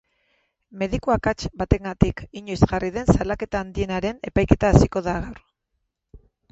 Mediku akats batengatik inoiz jarri den salaketa handienaren epaiketa hasiko da gaur.